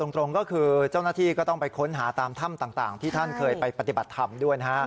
ตรงก็คือเจ้าหน้าที่ก็ต้องไปค้นหาตามถ้ำต่างที่ท่านเคยไปปฏิบัติธรรมด้วยนะฮะ